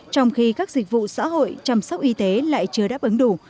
trong khi các dịch vụ xã hội chăm sóc y tế lại chưa đáp ứng đủ